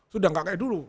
sudah gak kayak dulu